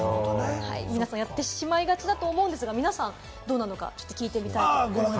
皆さん、やってしまいがちだと思うんですが、皆さんどうなのか聞いてみたいと思います。